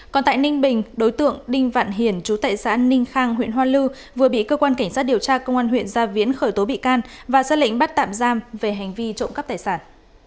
còn tại ninh bình đối tượng đinh vạn hiển trú tại xã ninh khang huyện hoa lư vừa bị cơ quan cảnh sát điều tra công an huyện gia viến khởi tố bị can và ra lệnh bắt tạm giam về hành vi trộm cắp tài sản